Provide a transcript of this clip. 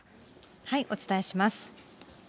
お伝えします。